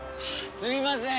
すいません。